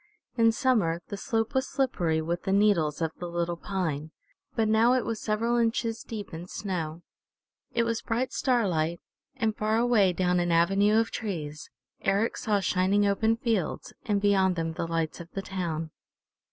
In summer the slope was slippery with the needles of the little pine, but now it was several inches deep in snow. It was bright starlight, and far away down an avenue of trees, Eric saw shining open fields, and beyond them the lights of the town.